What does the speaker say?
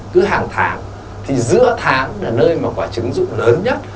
cứ hàng tháng thì giữa tháng là nơi mà quả trứng dụng lớn nhất